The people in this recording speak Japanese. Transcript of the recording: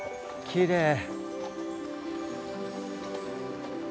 きれい。